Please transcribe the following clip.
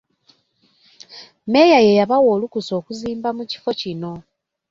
Mmeeya ye yabawa olukusa okuzimba mu kifo kino.